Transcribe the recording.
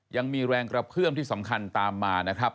ยังมีแรงกระเพื่อมที่สำคัญตามมานะครับ